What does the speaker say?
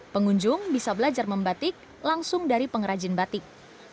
pengunjung bisa belajar membatik langsung dari pengrajin batik